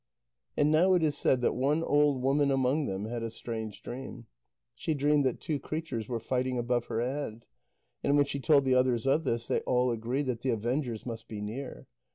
And now it is said that one old woman among them had a strange dream. She dreamed that two creatures were fighting above her head. And when she told the others of this, they all agreed that the avengers must be near.